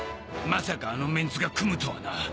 まさかあのメンツが組むとはな。